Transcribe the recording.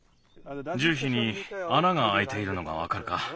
じゅひにあながあいているのがわかるか？